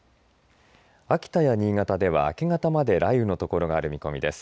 秋田や新潟では明け方まで雷雨のところがある見込みです。